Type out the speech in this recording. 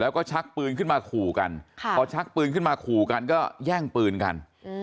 แล้วก็ชักปืนขึ้นมาขู่กันพอชักปืนขึ้นมาขู่กันก็แย่งปืนกัน